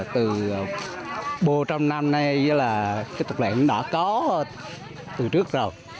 từ bồ trong năm nay tục lẹt đã có từ trước rồi